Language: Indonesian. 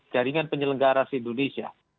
jaringan penyelenggara indonesia